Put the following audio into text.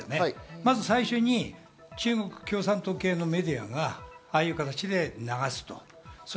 まず最初に中国共産党系のメディアがああいう形で流す。